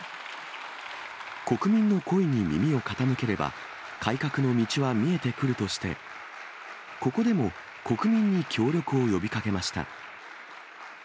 国民の声に耳を傾ければ、改革の道は見えてくるとして、ここでも国民に協力を呼びかけました。